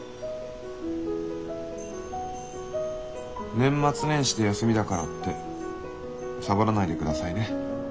年末年始で休みだからってサボらないでくださいね。